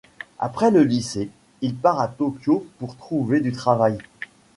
Après le lycée, il part à Tokyo pour trouver du travail.